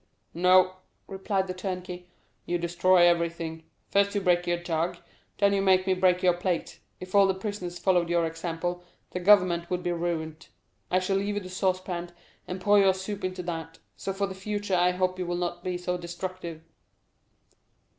"No," replied the turnkey; "you destroy everything. First you break your jug, then you make me break your plate; if all the prisoners followed your example, the government would be ruined. I shall leave you the saucepan, and pour your soup into that. So for the future I hope you will not be so destructive."